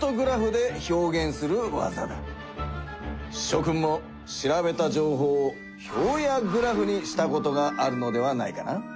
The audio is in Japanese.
しょ君も調べた情報を表やグラフにしたことがあるのではないかな？